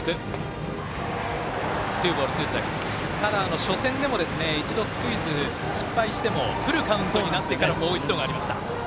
ただ、初戦でも一度、スクイズを失敗してもフルカウントになってからももう一度ということもありました。